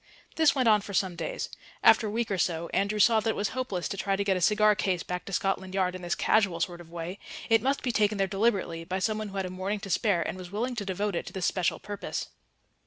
This went on for some days. After a week or so Andrew saw that it was hopeless to try to get a cigar case back to Scotland Yard in this casual sort of way; it must be taken there deliberately by somebody who had a morning to spare and was willing to devote it to this special purpose.